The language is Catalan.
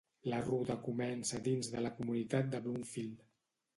La ruta comença dins de la comunitat de Bloomfield.